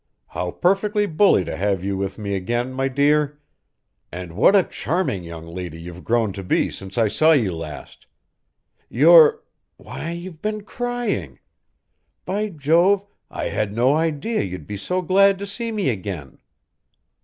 How perfectly bully to have you with me again, my dear! And what a charming young lady you've grown to be since I saw you last! You're why, you've been crying! By Jove, I had no idea you'd be so glad to see me again."